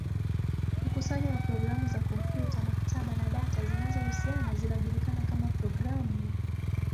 Mkusanyo wa programu za kompyuta, maktaba, na data zinazohusiana zinajulikana kama programu.